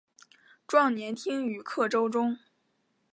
壮年听雨客舟中。